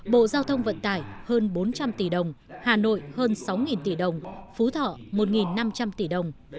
bộ giao thông vận tải hơn bốn trăm linh tỷ đồng hà nội hơn sáu tỷ đồng phú thọ một năm trăm linh tỷ đồng